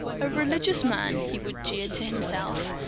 "A religious man!" he would jeer to himself.